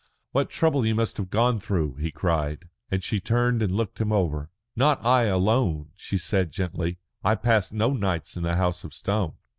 "What trouble you must have gone through!" he cried, and she turned and looked him over. "Not I alone," she said gently. "I passed no nights in the House of Stone."